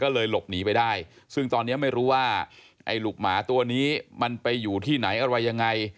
ก็เลยหลบหนีไปได้ซึ่งตอนนี้ไม่รู้ว่าไอ้ลูกหมาตัวนี้มันไปอยู่ที่ไหนอะไรยังไง